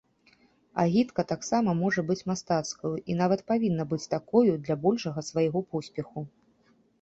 Агітка таксама можа быць мастацкаю і нават павінна быць такою для большага свайго поспеху.